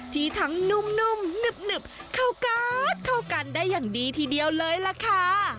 ที่ทั้งนุ่มหนึบเข้ากันเข้ากันได้อย่างดีทีเดียวเลยล่ะค่ะ